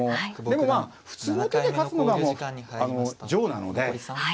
でもまあ普通の手で勝つのが上なので。